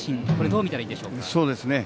どう見たらいいでしょうか？